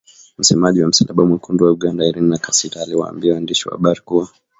Msemaji wa Msalaba Mwekundu wa Uganda Irene Nakasita aliwaambia waandishi wa habari kuwa.